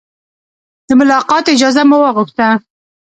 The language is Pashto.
د ملاقات اجازه مو وغوښته.